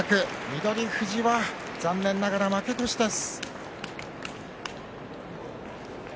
翠富士、残念ながら負け越しです。